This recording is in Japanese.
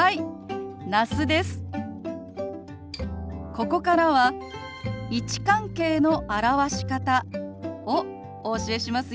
ここからは位置関係の表し方をお教えしますよ。